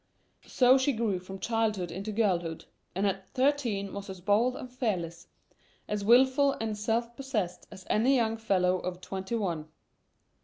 So she grew from childhood into girlhood, and at thirteen was as bold and fearless, as wilful and self possessed as any young fellow of twenty one.